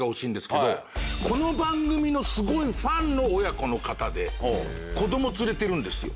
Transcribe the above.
この番組のすごいファンの親子の方で子供連れてるんですよ。